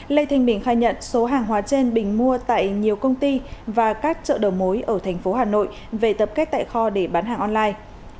lê thanh bình khai nhận số hàng hóa trên bình mua tại nhiều công ty và các chợ đầu mối ở thành phố hà nội về tập kết tại kho để bán hàng online